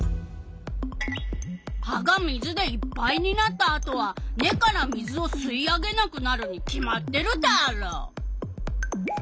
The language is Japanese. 葉が水でいっぱいになったあとは根から水を吸い上げなくなるに決まってるダーロ！